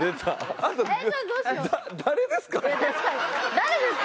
誰ですか？